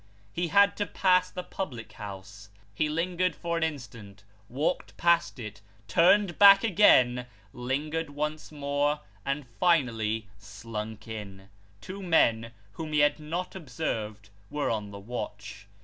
He had to pass the public house. He lingered for an instant, walked past it, turned back again, lingered once more, and finally slunk in. Two men whom he had not observed, were on the watch.